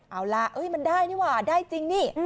เอาล่ะมันได้นี่ว่ะได้จริงนี่